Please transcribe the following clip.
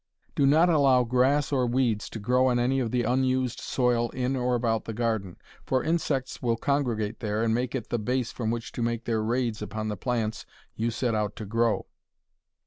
Do not allow grass or weeds to grow on any of the unused soil in or about the garden, for insects will congregate there and make it the base from which to make their raids upon the plants you set out to grow.